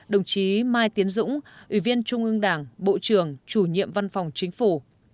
hai mươi bảy đồng chí mai tiến dũng ủy viên trung ương đảng bộ trưởng chủ nhiệm văn phòng chính phủ